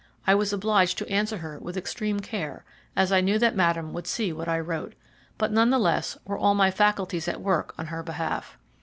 I was obliged to answer her with extreme care, as I knew that Madame would see what I wrote; but none the less were all my faculties at work on her behalf.